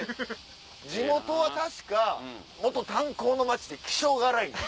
地元は確か炭鉱の街で気性が荒い。